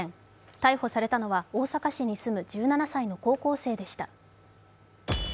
逮捕されたのは大阪市に住む１７歳の高校生でした。